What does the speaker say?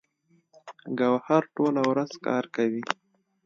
ګوهر ټوله ورځ کار کوي